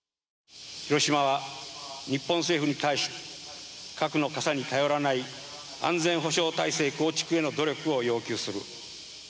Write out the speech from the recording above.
広島は、日本政府に対して核の傘に頼らない安全保障体制構築への努力を要求する。